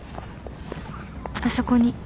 あそこに。